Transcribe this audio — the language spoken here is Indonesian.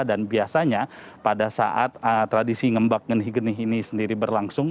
dan biasanya pada saat tradisi ngembak genih genih ini sendiri berlangsung